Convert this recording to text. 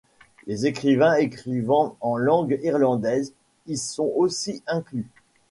Les écrivains écrivant en langue irlandaise y sont aussi inclus.